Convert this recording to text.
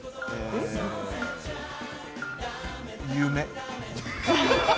夢。